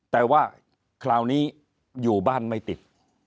แต่ว่าคราวนี้อยู่บ้านไม่ติด